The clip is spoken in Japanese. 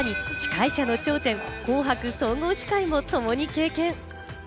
さらに司会者の頂点、『紅白』総合司会も共に経験。